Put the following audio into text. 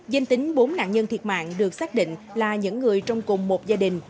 dân tính bốn nạn nhân thiệt mạng được xác định là những người trong cùng một gia đình